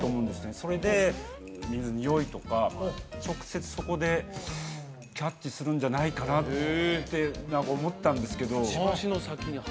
それでミミズの匂いとか直接そこでキャッチするんじゃないかなって何か思ったんですけどクチバシの先に鼻？